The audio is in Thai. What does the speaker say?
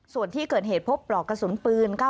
ส่วนที่เกิดเหตุพบปลอกกระสุนปืน๙